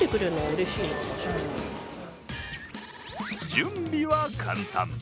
準備は簡単！